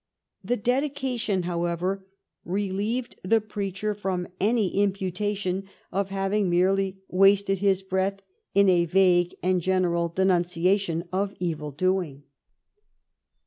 The dedication, however, relieved the preacher from any imputation of having merely wasted his breath in a vague and general denunciation of evil doing.